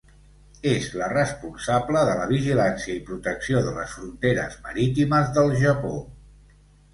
És la responsable de la vigilància i protecció de les fronteres marítimes del Japó.